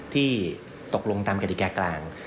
ที่ตกลงตามกฎิกากลาง